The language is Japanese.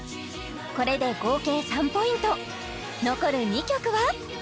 これで合計３ポイント残る２曲は？